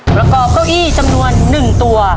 ประกอบเก้าอี้จำนวน๑ตัว